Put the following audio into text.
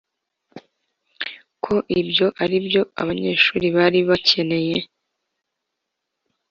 ko ibyo ari byo abanyeshuri bari bakeneye